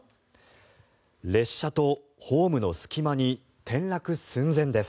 列車とホームの隙間に転落寸前です。